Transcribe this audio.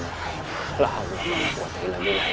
la allah allah kuat ilhamu la ilham